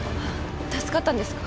助かったんですか？